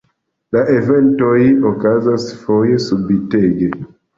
La eventoj okazas foje subitege.